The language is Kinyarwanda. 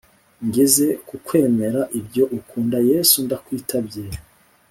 Ngeze kukwemera ibyo ukunda yesu ndakwitabye